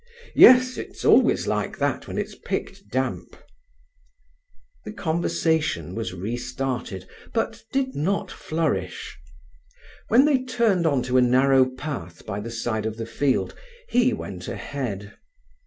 "Yes, it's always like that when it's picked damp." The conversation was restarted, but did not flourish. When they turned on to a narrow path by the side of the field he went ahead.